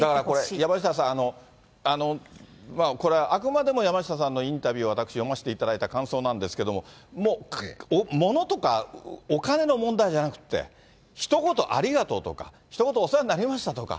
山下さん、これ、あくまでも山下さんのインタビューを私、読ませていただいた感想なんですけれども、物とかお金の問題じゃなくて、ひと言ありがとうとか、ひと言お世話になりましたとか、